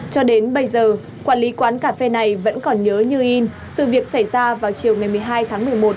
cho đến bây giờ quản lý quán cà phê này vẫn còn nhớ như in sự việc xảy ra vào chiều ngày một mươi hai tháng một mươi một